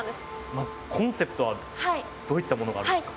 まずコンセプトはどういったものがあるんですか？